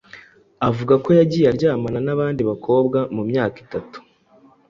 Avuga ko yagiye aryamana n'abandi bakobwa mu myaka itatu